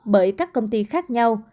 bởi các công ty khác nhau